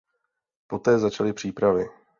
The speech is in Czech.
Poté začaly přípravy.